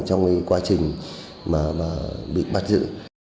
trong cái quá trình mà bị bắt giữ